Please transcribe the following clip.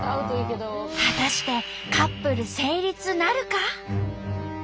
果たしてカップル成立なるか？